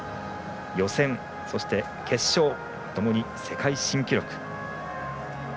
予選、そして決勝ともに世界新記録。